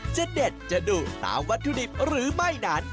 จะเด็ดจะดุตามวัตถุดิบหรือไม่นั้น